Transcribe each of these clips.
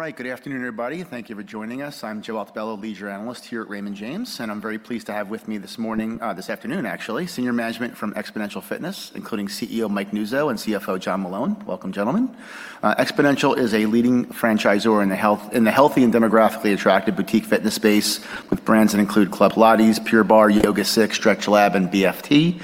All right. Good afternoon, everybody. Thank you for joining us. I'm Joseph Altobello, leisure analyst here at Raymond James, and I'm very pleased to have with me this morning, this afternoon, actually, senior management from Xponential Fitness, including CEO Mike Nuzzo and CFO John Meloun. Welcome, gentlemen. Xponential is a leading franchisor in the healthy and demographically attractive boutique fitness space with brands that include Club Pilates, Pure Barre, YogaSix, StretchLab, and BFT.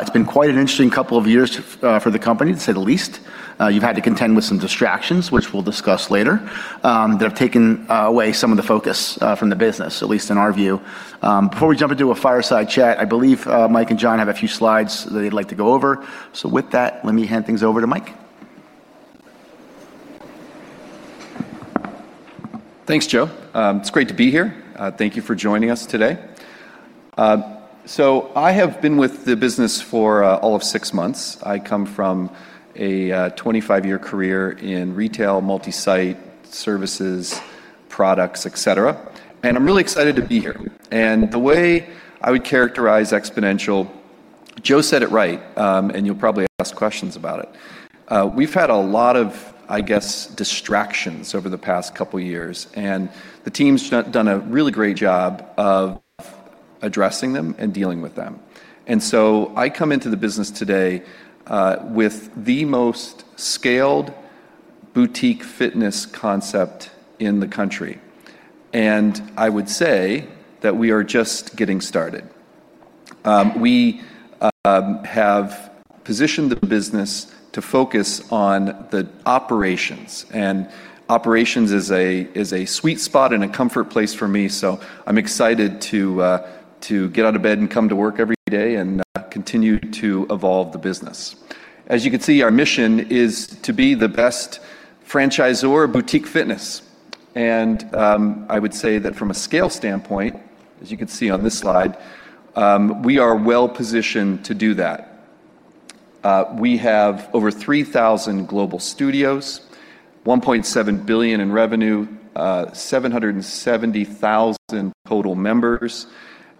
It's been quite an interesting couple of years for the company, to say the least. You've had to contend with some distractions, which we'll discuss later, that have taken away some of the focus from the business, at least in our view. Before we jump into a fireside chat, I believe Mike and John have a few slides they'd like to go over. With that, let me hand things over to Mike. Thanks, Joe. It's great to be here. Thank you for joining us today. I have been with the business for all of 6 months. I come from a 25-year career in retail, multi-site services, products, et cetera, and I'm really excited to be here. The way I would characterize Xponential, Joe said it right, and you'll probably ask questions about it. We've had a lot of, I guess, distractions over the past couple years, and the team's done a really great job of addressing them and dealing with them. I come into the business today with the most scaled boutique fitness concept in the country, and I would say that we are just getting started. We have positioned the business to focus on the operations, and operations is a sweet spot and a comfort place for me. I'm excited to get out of bed and come to work every day and continue to evolve the business. As you can see, our mission is to be the best franchisor of boutique fitness. I would say that from a scale standpoint, as you can see on this slide, we are well-positioned to do that. We have over 3,000 global studios, $1.7 billion in revenue, 770,000 total members,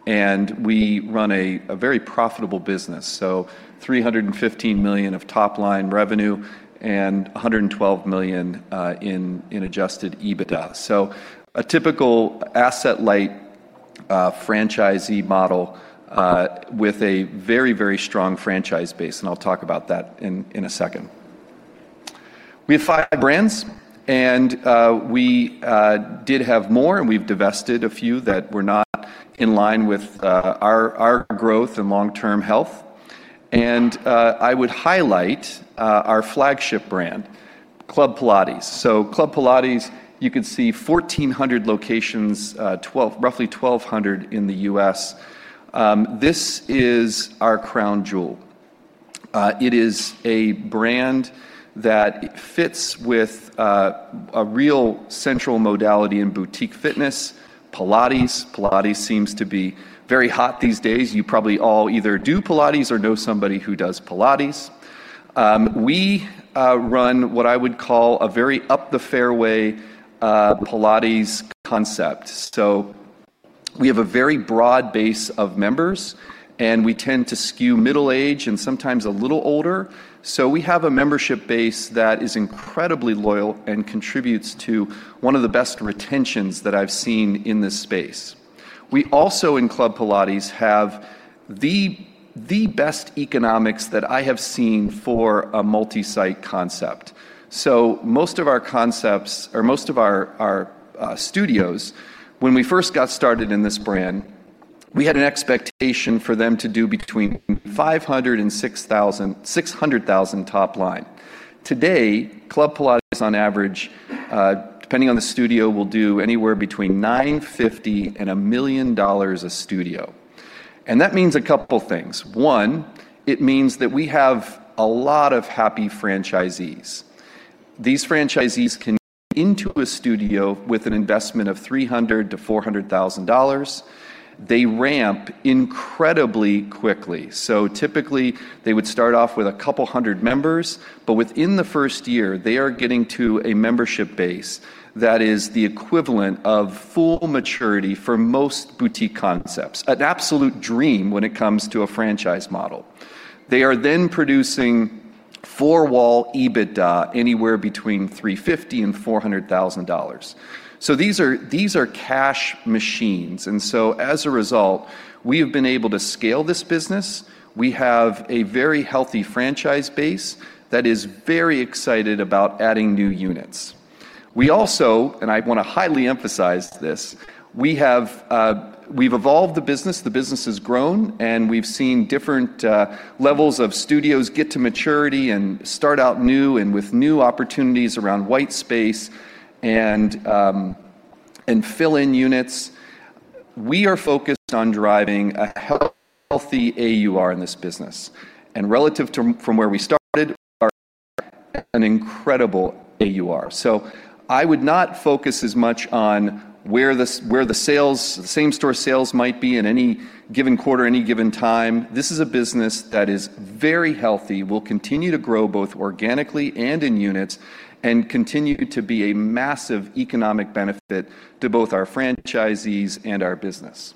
and we run a very profitable business. $315 million of top-line revenue and $112 million in adjusted EBITDA. A typical asset-light franchisee model with a very, very strong franchise base, and I'll talk about that in a second. We have five brands and we did have more, and we've divested a few that were not in line with our growth and long-term health. I would highlight our flagship brand, Club Pilates. Club Pilates, you can see 1,400 locations, roughly 1,200 in the U.S. This is our crown jewel. It is a brand that fits with a real central modality in boutique fitness, Pilates. Pilates seems to be very hot these days. You probably all either do Pilates or know somebody who does Pilates. We run what I would call a very up-the-fairway Pilates concept. We have a very broad base of members, and we tend to skew middle-age and sometimes a little older. We have a membership base that is incredibly loyal and contributes to one of the best retentions that I've seen in this space. We also, in Club Pilates, have the best economics that I have seen for a multi-site concept. Most of our concepts or most of our studios, when we first got started in this brand, we had an expectation for them to do between $500 and $6,600,000 top line. Today, Club Pilates on average, depending on the studio, will do anywhere between $950 and $1 million a studio. That means a couple things. One, it means that we have a lot of happy franchisees. These franchisees can into a studio with an investment of $300,000-$400,000. They ramp incredibly quickly. Typically, they would start off with a couple hundred members, but within the first year, they are getting to a membership base that is the equivalent of full maturity for most boutique concepts, an absolute dream when it comes to a franchise model. They are producing four-wall EBITDA anywhere between $350,000 and $400,000. These are cash machines. As a result, we have been able to scale this business. We have a very healthy franchise base that is very excited about adding new units. We also, and I wanna highly emphasize this, we have, we've evolved the business. The business has grown, and we've seen different levels of studios get to maturity and start out new and with new opportunities around white space and fill-in units. We are focused on driving a healthy AUR in this business. Relative to, from where we started, our an incredible AUR. I would not focus as much on where the sales, same-store sales might be in any given quarter, any given time. This is a business that is very healthy, will continue to grow both organically and in units, and continue to be a massive economic benefit to both our franchisees and our business.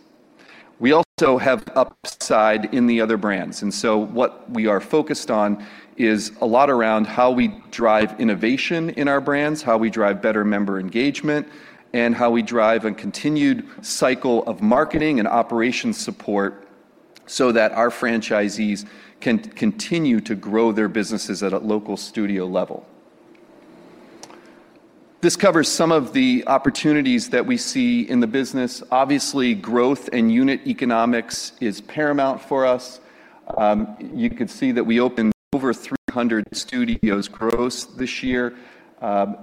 We also have upside in the other brands. What we are focused on is a lot around how we drive innovation in our brands, how we drive better member engagement, and how we drive a continued cycle of marketing and operations support so that our franchisees can continue to grow their businesses at a local studio level. This covers some of the opportunities that we see in the business. Obviously, growth and unit economics is paramount for us. You can see that we opened over 300 studios gross this year.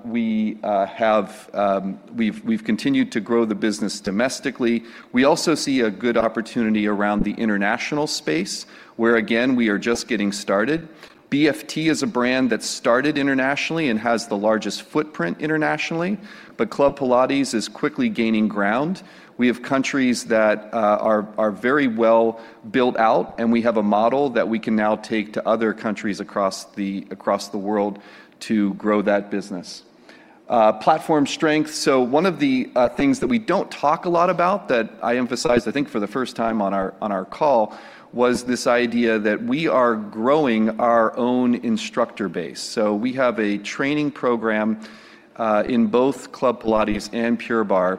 We have, we've continued to grow the business domestically. We also see a good opportunity around the international space, where again, we are just getting started. BFT is a brand that started internationally and has the largest footprint internationally, but Club Pilates is quickly gaining ground. We have countries that are very well built out, and we have a model that we can now take to other countries across the world to grow that business. Platform strength. One of the things that we don't talk a lot about that I emphasize, I think for the first time on our call, was this idea that we are growing our own instructor base. We have a training program in both Club Pilates and Pure Barre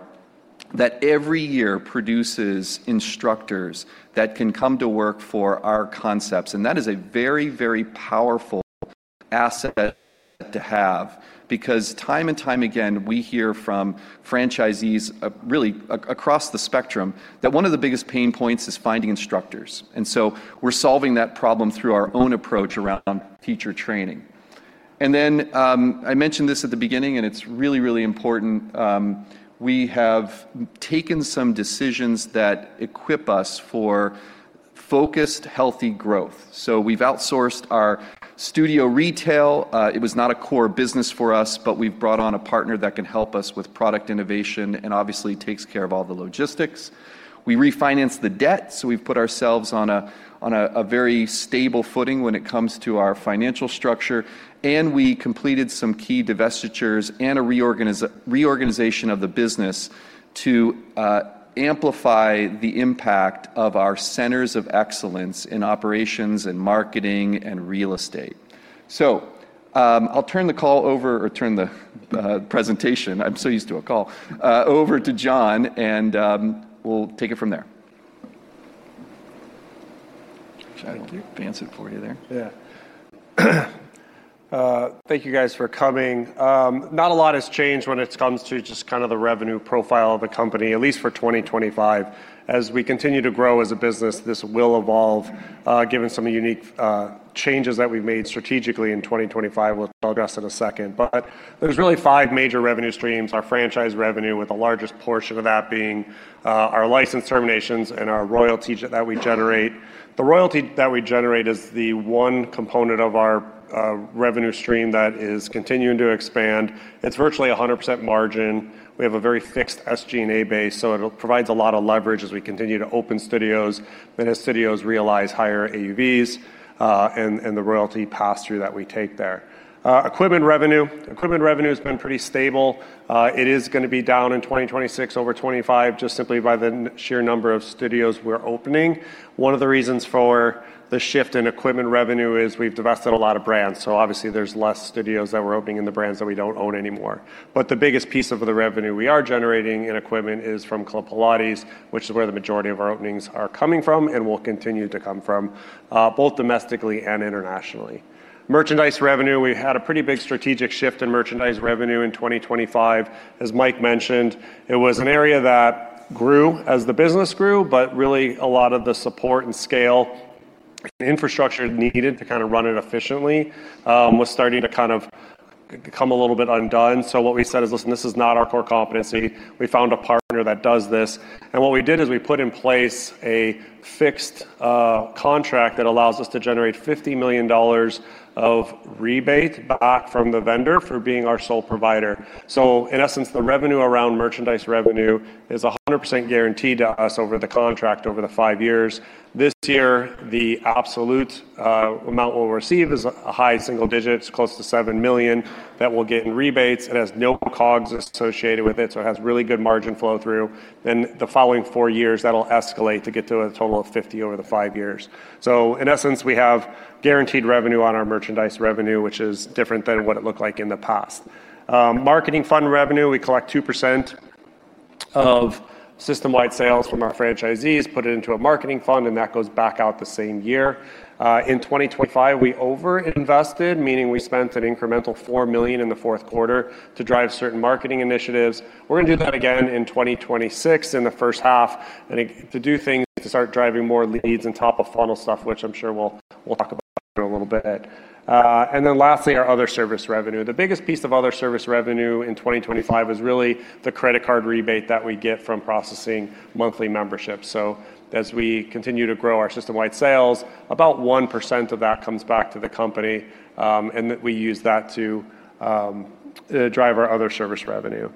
that every year produces instructors that can come to work for our concepts. That is a very, very powerful asset to have because time and time again, we hear from franchisees, really across the spectrum, that one of the biggest pain points is finding instructors. So we're solving that problem through our own approach around teacher training. Then, I mentioned this at the beginning, and it's really, really important. We have taken some decisions that equip us for focused, healthy growth. We've outsourced our studio retail. It was not a core business for us, but we've brought on a partner that can help us with product innovation and obviously takes care of all the logistics. We refinanced the debt, so we've put ourselves on a very stable footing when it comes to our financial structure, and we completed some key divestitures and a reorganization of the business to amplify the impact of our centers of excellence in operations and marketing and real estate. I'll turn the call over, or turn the presentation, I'm so used to a call over to John, and we'll take it from there. John, advance it for you there. Thank you guys for coming. Not a lot has changed when it comes to just kind of the revenue profile of the company, at least for 2025. As we continue to grow as a business, this will evolve, given some of the unique changes that we've made strategically in 2025, we'll progress in a second. There's really five major revenue streams. Our franchise revenue, with the largest portion of that being our license terminations and our royalties that we generate. The royalty that we generate is the one component of our revenue stream that is continuing to expand. It's virtually a 100% margin. We have a very fixed SG&A base. It provides a lot of leverage as we continue to open studios, and as studios realize higher AUVs, and the royalty pass-through that we take there. Equipment revenue. Equipment revenue has been pretty stable. It is gonna be down in 2026 over 25 just simply by the sheer number of studios we're opening. One of the reasons for the shift in equipment revenue is we've divested a lot of brands, so obviously there's less studios that we're opening in the brands that we don't own anymore. The biggest piece of the revenue we are generating in equipment is from Club Pilates, which is where the majority of our openings are coming from and will continue to come from, both domestically and internationally. Merchandise revenue, we had a pretty big strategic shift in merchandise revenue in 2025. As Mike mentioned, it was an area that grew as the business grew, but really a lot of the support and scale infrastructure needed to kind of run it efficiently, was starting to kind of come a little bit undone. What we said is, "Listen, this is not our core competency. We found a partner that does this." What we did is we put in place a fixed contract that allows us to generate $50 million of rebate back from the vendor for being our sole provider. In essence, the revenue around merchandise revenue is 100% guaranteed to us over the contract over the 5 years. This year, the absolute amount we'll receive is a high single digits, close to $7 million, that we'll get in rebates. It has no COGS associated with it, so it has really good margin flow through. The following 4 years, that'll escalate to get to a total of $50 over the 5 years. In essence, we have guaranteed revenue on our merchandise revenue, which is different than what it looked like in the past. Marketing fund revenue, we collect 2% of system-wide sales from our franchisees, put it into a marketing fund, and that goes back out the same year. In 2025, we over-invested, meaning we spent an incremental $4 million in the fourth quarter to drive certain marketing initiatives. We're gonna do that again in 2026 in the first half to do things to start driving more leads and top-of-funnel stuff, which I'm sure we'll talk about in a little bit. Lastly, our other service revenue. The biggest piece of other service revenue in 2025 is really the credit card rebate that we get from processing monthly memberships. As we continue to grow our system-wide sales, about 1% of that comes back to the company, and then we use that to drive our other service revenue.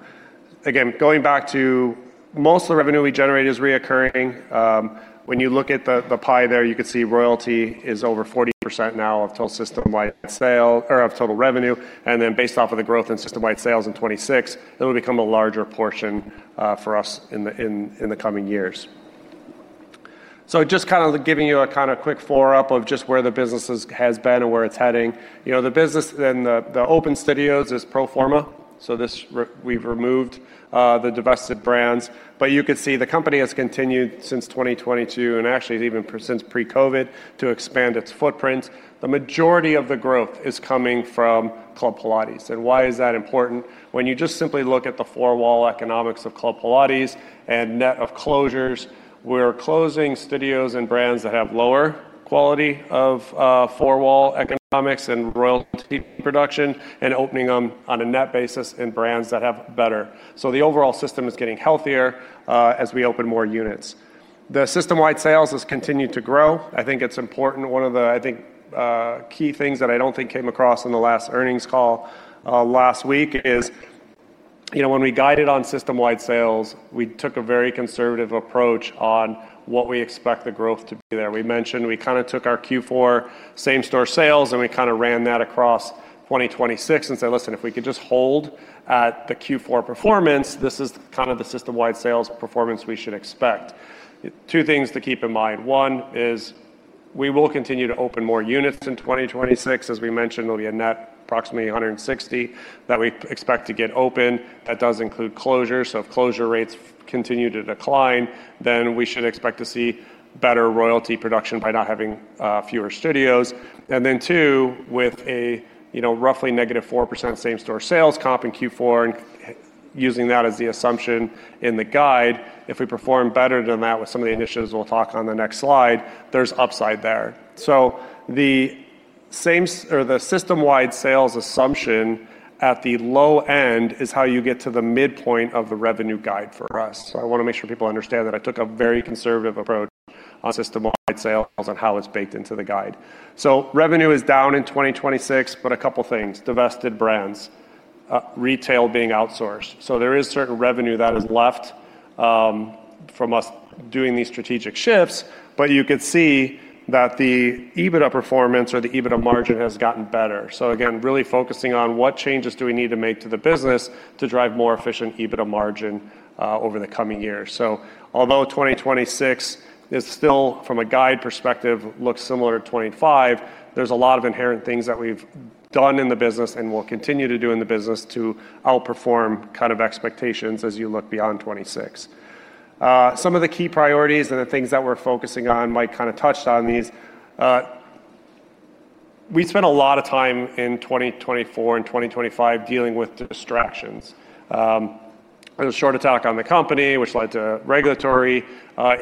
Again, going back to most of the revenue we generate is recurring. When you look at the pie there, you could see royalty is over 40% now of total system-wide sales or of total revenue, and then based off of the growth in system-wide sales in 2026, it'll become a larger portion for us in the, in the coming years. Just kind of giving you a kind of quick follow-up of just where the business is, has been and where it's heading. You know, the business and the open studios is pro forma, so this we've removed the divested brands. You could see the company has continued since 2022, and actually even pre, since pre-COVID, to expand its footprint. The majority of the growth is coming from Club Pilates, and why is that important? When you just simply look at the four-wall economics of Club Pilates and net of closures, we're closing studios and brands that have lower quality of four-wall economics and royalty production and opening them on a net basis in brands that have better. The overall system is getting healthier as we open more units. The system-wide sales has continued to grow. I think it's important. One of the, I think, key things that I don't think came across in the last earnings call last week is, you know, when we guided on system-wide sales, we took a very conservative approach on what we expect the growth to be there. We mentioned we kinda took our Q4 same-store sales and we kinda ran that across 2026 and said, "Listen, if we could just hold at the Q4 performance, this is kind of the system-wide sales performance we should expect." Two things to keep in mind. One is we will continue to open more units in 2026. As we mentioned, there'll be a net approximately 160 that we expect to get open. That does include closures. If closure rates continue to decline, then we should expect to see better royalty production by not having fewer studios. Two, with a, you know, roughly -4% same-store sales comp in Q4 and using that as the assumption in the guide, if we perform better than that with some of the initiatives we'll talk on the next slide, there's upside there. The same or the system-wide sales assumption at the low end is how you get to the midpoint of the revenue guide for us. I wanna make sure people understand that I took a very conservative approach on system-wide sales and how it's baked into the guide. Revenue is down in 2026, but a couple things. Divested brands, retail being outsourced. There is certain revenue that is left from us doing these strategic shifts, but you could see that the EBITDA performance or the EBITDA margin has gotten better. Again, really focusing on what changes do we need to make to the business to drive more efficient EBITDA margin over the coming years. Although 2026 is still from a guide perspective, looks similar to 2025, there's a lot of inherent things that we've done in the business and will continue to do in the business to outperform kind of expectations as you look beyond 2026. Some of the key priorities and the things that we're focusing on, Mike kind of touched on these. We spent a lot of time in 2024 and 2025 dealing with distractions. There was a short attack on the company which led to regulatory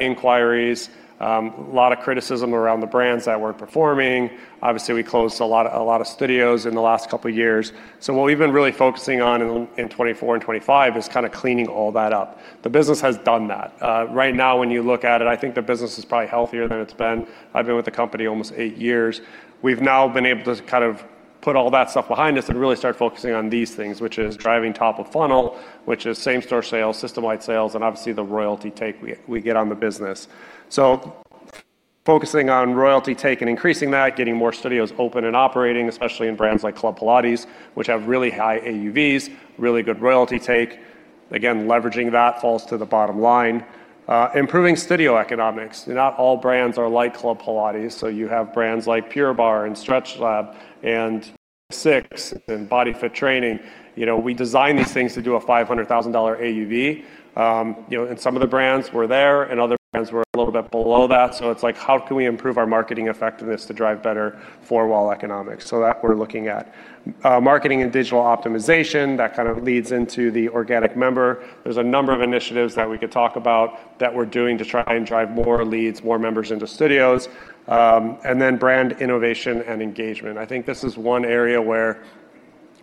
inquiries. A lot of criticism around the brands that weren't performing. Obviously, we closed a lot of studios in the last couple years. What we've been really focusing on in 2024 and 2025 is kind of cleaning all that up. The business has done that. Right now when you look at it, I think the business is probably healthier than it's been. I've been with the company almost eight years. We've now been able to kind of put all that stuff behind us and really start focusing on these things, which is driving top of funnel, which is same-store sales, system-wide sales, and obviously the royalty take we get on the business. Focusing on royalty take and increasing that, getting more studios open and operating, especially in brands like Club Pilates, which have really high AUVs, really good royalty take. Again, leveraging that falls to the bottom line. Improving studio economics. Not all brands are like Club Pilates, so you have brands like Pure Barre and StretchLab and YogaSix and BodyFit Training. You know, we design these things to do a $500,000 AUV. You know, some of the brands were there and other brands were a little bit below that. It's like, how can we improve our marketing effectiveness to drive better four-wall economics? That we're looking at. Marketing and digital optimization, that kind of leads into the organic member. There's a number of initiatives that we could talk about that we're doing to try and drive more leads, more members into studios. Brand innovation and engagement. I think this is one area where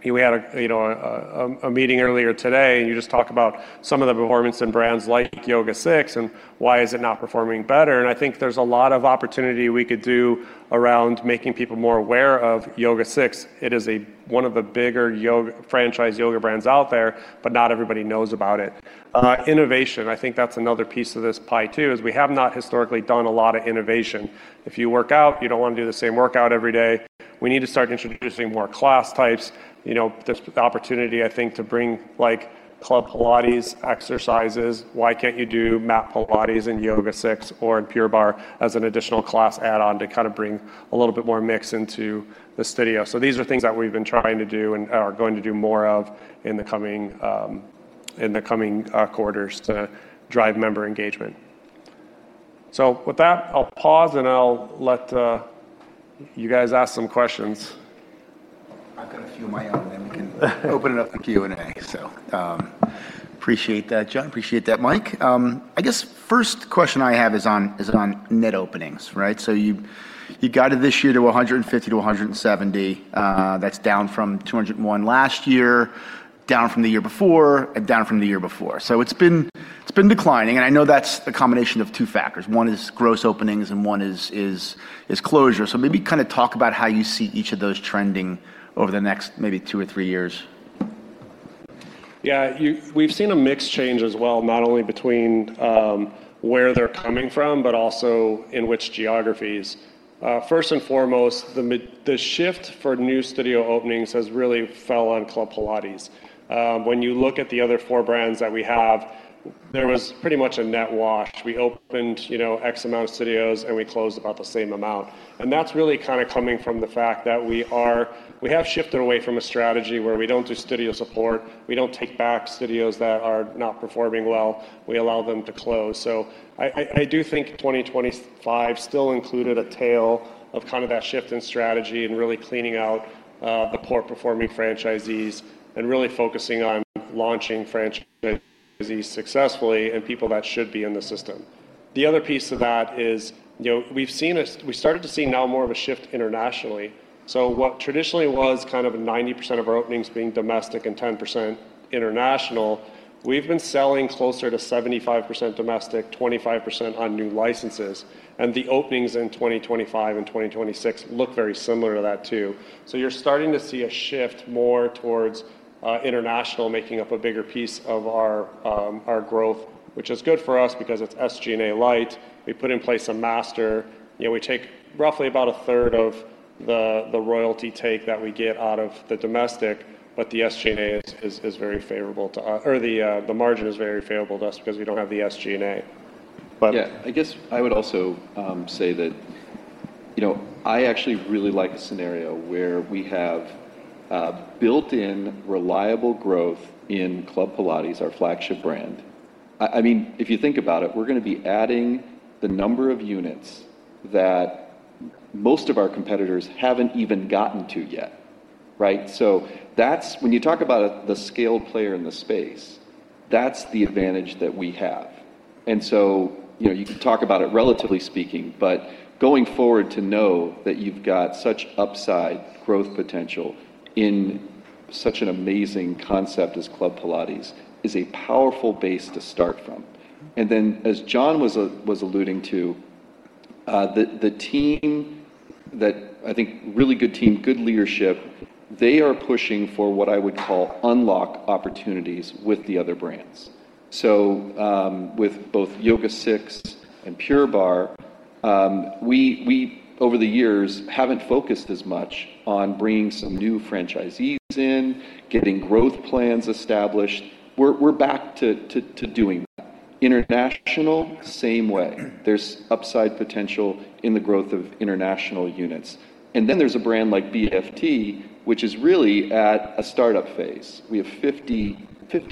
we had a, you know, a meeting earlier today, you just talk about some of the performance in brands like YogaSix and why is it not performing better. I think there's a lot of opportunity we could do around making people more aware of YogaSix. It is a, one of the bigger yoga, franchise yoga brands out there, but not everybody knows about it. Innovation, I think that's another piece of this pie too, is we have not historically done a lot of innovation. If you work out, you don't wanna do the same workout every day. We need to start introducing more class types. You know, there's the opportunity, I think, to bring like Club Pilates exercises. Why can't you do mat Pilates in YogaSix or in Pure Barre as an additional class add-on to kind of bring a little bit more mix into the studio? These are things that we've been trying to do and are going to do more of in the coming in the coming quarters to drive member engagement. With that, I'll pause, and I'll let you guys ask some questions. I've got a few of my own, and then we can open it up for Q&A. Appreciate that, John Meloun. Appreciate that, Mike Nuzzo. I guess first question I have is on net openings, right? You, you guided this year to 150-170. That's down from 201 last year, down from the year before, and down from the year before. It's been, it's been declining, and I know that's a combination of two factors. One is gross openings and one is closure. Maybe kind of talk about how you see each of those trending over the next maybe two or three years. You, we've seen a mix change as well, not only between where they're coming from, but also in which geographies. First and foremost, the shift for new studio openings has really fell on Club Pilates. When you look at the other four brands that we have, there was pretty much a net wash. We opened, you know, X amount of studios, and we closed about the same amount. That's really kind of coming from the fact that we have shifted away from a strategy where we don't do studio support. We don't take back studios that are not performing well. We allow them to close. I do think 2025 still included a tale of kind of that shift in strategy and really cleaning out the poor performing franchisees and really focusing on launching franchisees successfully and people that should be in the system. The other piece to that is, you know, we've seen we started to see now more of a shift internationally. What traditionally was kind of 90% of our openings being domestic and 10% international, we've been selling closer to 75% domestic, 25% on new licenses. The openings in 2025 and 2026 look very similar to that too. You're starting to see a shift more towards international making up a bigger piece of our growth, which is good for us because it's SG&A light. We put in place a master. You know, we take roughly about a third of the royalty take that we get out of the domestic. The SG&A is very favorable to us. The margin is very favorable to us because we don't have the SG&A. I guess I would also say that, you know, I actually really like a scenario where we have built-in reliable growth in Club Pilates, our flagship brand. I mean, if you think about it, we're gonna be adding the number of units that most of our competitors haven't even gotten to yet, right? When you talk about the scaled player in the space, that's the advantage that we have. You know, you can talk about it relatively speaking, but going forward to know that you've got such upside growth potential in such an amazing concept as Club Pilates is a powerful base to start from. As John was alluding to, the team that I think really good team, good leadership, they are pushing for what I would call unlock opportunities with the other brands. With both YogaSix and Pure Barre, we over the years haven't focused as much on bringing some new franchisees in, getting growth plans established. We're back to doing that. International, same way. There's upside potential in the growth of international units. There's a brand like BFT, which is really at a startup phase. We have 50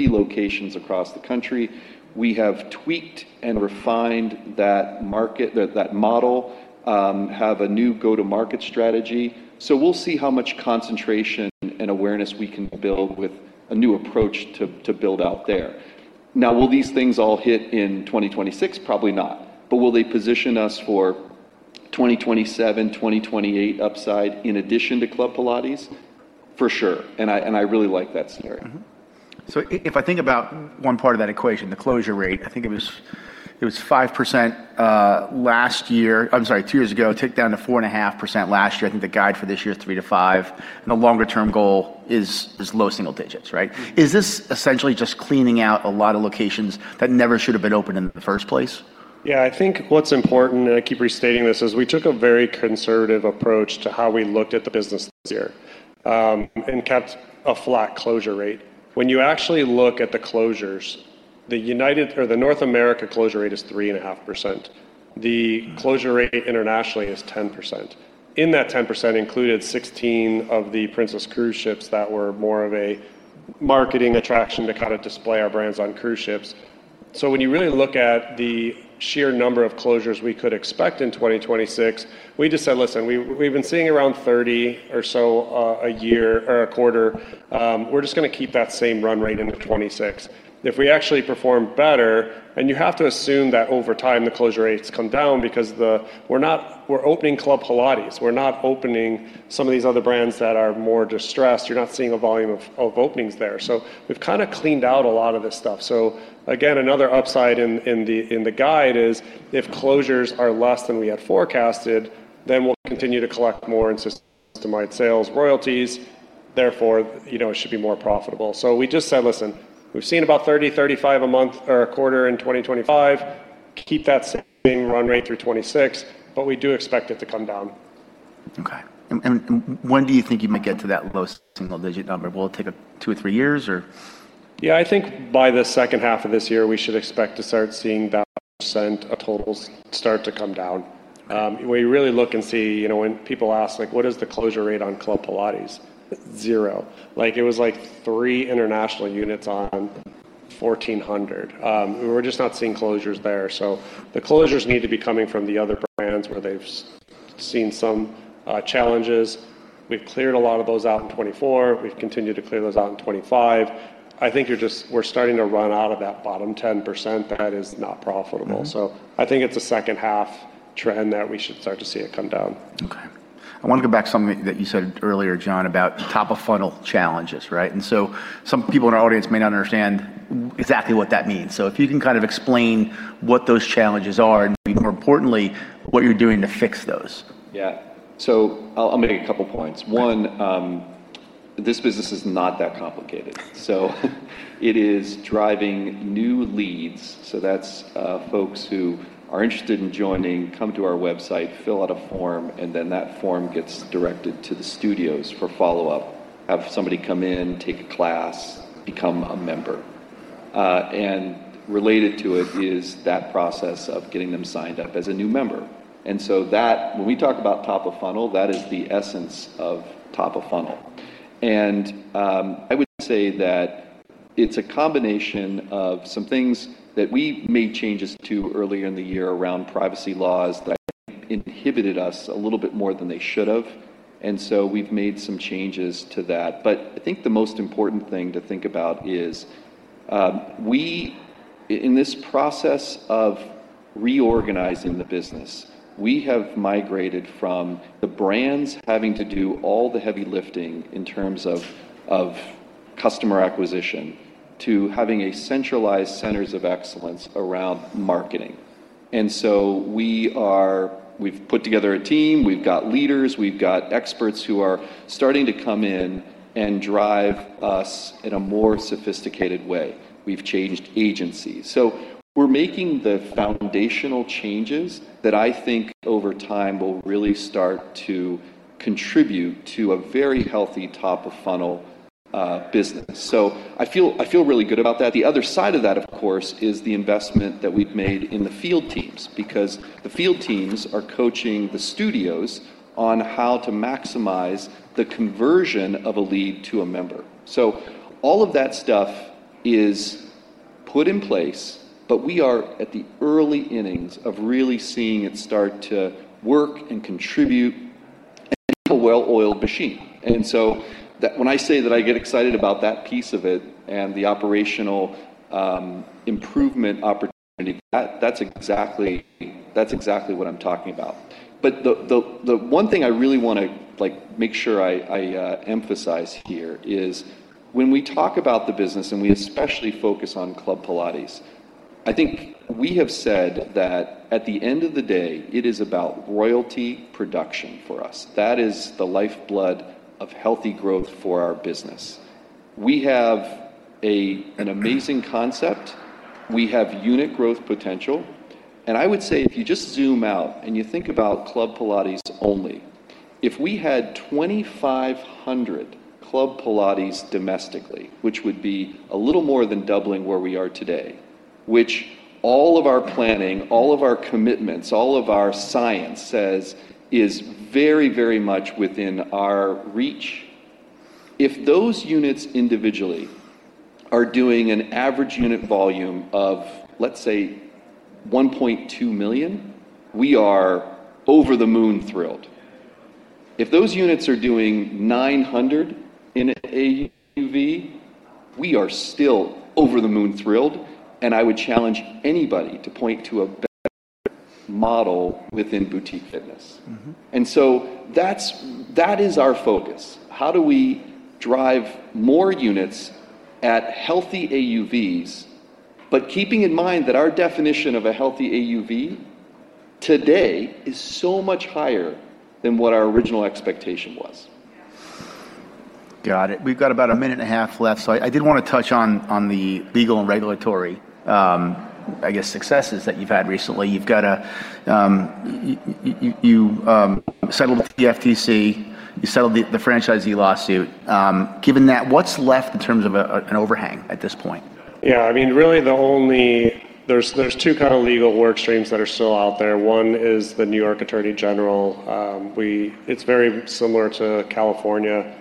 locations across the country. We have tweaked and refined that model, have a new go-to-market strategy. We'll see how much concentration and awareness we can build with a new approach to build out there. Now, will these things all hit in 2026? Probably not. Will they position us for 2027, 2028 upside in addition to Club Pilates? For sure. I really like that scenario. Mm-hmm. If I think about one part of that equation, the closure rate, I think it was 5%, last year. I'm sorry, two years ago. It ticked down to 4.5% last year. I think the guide for this year is 3%-5%, the longer-term goal is low single digits, right? Mm-hmm. Is this essentially just cleaning out a lot of locations that never should have been opened in the first place? Yeah. I think what's important, and I keep restating this, is we took a very conservative approach to how we looked at the business this year, and kept a flat closure rate. When you actually look at the closures, the United or the North America closure rate is 3.5%. The closure rate internationally is 10%. In that 10% included 16 of the Princess cruise ships that were more of a marketing attraction to kind of display our brands on cruise ships. When you really look at the sheer number of closures we could expect in 2026, we just said, "Listen, we've been seeing around 30 or so, a year or a quarter. We're just gonna keep that same run rate into 26." If we actually perform better, and you have to assume that over time the closure rates come down because we're opening Club Pilates. We're not opening some of these other brands that are more distressed. You're not seeing a volume of openings there. We've kind of cleaned out a lot of this stuff. Again, another upside in the guide is if closures are less than we had forecasted, then we'll continue to collect more in system-wide sales royalties. You know, it should be more profitable. We just said, "Listen, we've seen about 30, 35 a month or a quarter in 2025. Keep that same run rate through 26," but we do expect it to come down. Okay. When do you think you might get to that low single-digit number? Will it take 2 or 3 years or...? I think by the second half of this year, we should expect to start seeing that % of totals start to come down. When you really look and see, you know, when people ask, like, "What is the closure rate on Club Pilates?" It's 0. Like, it was like 3 international units on 1,400. We're just not seeing closures there. The closures need to be coming from the other brands where they've seen some challenges. We've cleared a lot of those out in 2024. We've continued to clear those out in 2025. I think we're starting to run out of that bottom 10% that is not profitable. Mm-hmm. I think it's a second-half trend that we should start to see it come down. Okay. I wanna go back to something that you said earlier, John, about top-of-funnel challenges, right? Some people in our audience may not understand exactly what that means. If you can kind of explain what those challenges are and, more importantly, what you're doing to fix those. Yeah. I'll make a couple points. One. This business is not that complicated. It is driving new leads, so that's folks who are interested in joining, come to our website, fill out a form, and then that form gets directed to the studios for follow-up. Have somebody come in, take a class, become a member. Related to it is that process of getting them signed up as a new member. When we talk about top of funnel, that is the essence of top of funnel. I would say that it's a combination of some things that we made changes to earlier in the year around privacy laws that inhibited us a little bit more than they should have, and so we've made some changes to that. I think the most important thing to think about is, we in this process of reorganizing the business, we have migrated from the brands having to do all the heavy lifting in terms of customer acquisition to having a centralized centers of excellence around marketing. We've put together a team, we've got leaders, we've got experts who are starting to come in and drive us in a more sophisticated way. We've changed agencies. We're making the foundational changes that I think over time will really start to contribute to a very healthy top of funnel business. I feel really good about that. The other side of that, of course, is the investment that we've made in the field teams, because the field teams are coaching the studios on how to maximize the conversion of a lead to a member. All of that stuff is put in place, but we are at the early innings of really seeing it start to work and contribute a well-oiled machine. That when I say that I get excited about that piece of it and the operational improvement opportunity, that's exactly what I'm talking about. The one thing I really wanna, like, make sure I emphasize here is when we talk about the business and we especially focus on Club Pilates, I think we have said that at the end of the day, it is about royalty production for us. That is the lifeblood of healthy growth for our business. We have an amazing concept. We have unit growth potential. I would say if you just zoom out and you think about Club Pilates only, if we had 2,500 Club Pilates domestically, which would be a little more than doubling where we are today, which all of our planning, all of our commitments, all of our science says is very, very much within our reach. If those units individually are doing an average unit volume of, let's say, $1.2 million, we are over the moon thrilled. If those units are doing $900 in AUV, we are still over the moon thrilled, and I would challenge anybody to point to a better model within boutique fitness. Mm-hmm. That is our focus. How do we drive more units at healthy AUVs, but keeping in mind that our definition of a healthy AUV today is so much higher than what our original expectation was. Got it. We've got about a minute and a half left. I did wanna touch on the legal and regulatory, I guess successes that you've had recently. You've got a, you settled the FTC, you settled the franchisee lawsuit. Given that, what's left in terms of a, an overhang at this point? Yeah, I mean, really the only. There's two kind of legal work streams that are still out there. One is the New York Attorney General. It's very similar to California,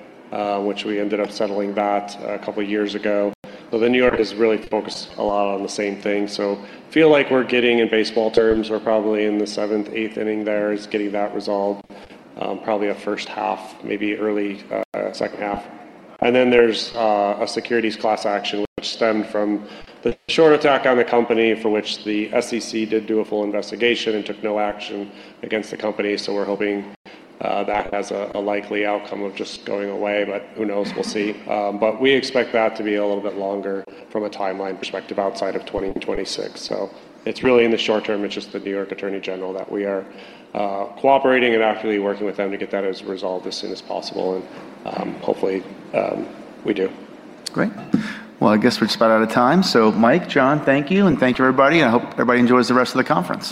which we ended up settling that a couple years ago. New York has really focused a lot on the same thing. Feel like we're getting in baseball terms, we're probably in the seventh, eighth inning there is getting that resolved, probably a first half, maybe early, second half. There's a securities class action which stemmed from the short attack on the company for which the SEC did do a full investigation and took no action against the company. We're hoping that has a likely outcome of just going away, who knows? We'll see. We expect that to be a little bit longer from a timeline perspective outside of 2026. It's really in the short term, it's just the New York Attorney General that we are cooperating and actively working with them to get that as resolved as soon as possible, and hopefully, we do. Great. Well, I guess we're just about out of time. Mike, John, thank you, and thank you, everybody, and I hope everybody enjoys the rest of the conference.